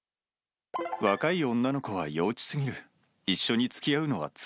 若い女の子は幼稚すぎる。